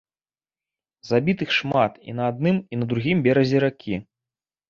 Забітых шмат і на адным і на другім беразе ракі.